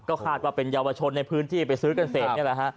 คาดว่าเป็นเยาวชนในพื้นที่ไปซื้อกันเสร็จนี่แหละฮะ